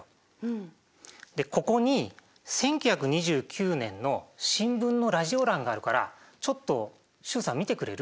でここに１９２９年の新聞のラジオ欄があるからちょっと習さん見てくれる？